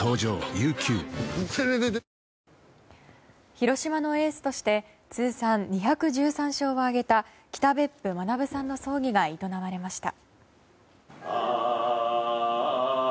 広島のエースとして通算２１３勝を挙げた北別府学さんの葬儀が営まれました。